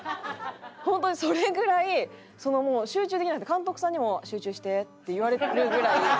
本当にそれぐらいもう集中できなくて監督さんにも「集中して」って言われるぐらい。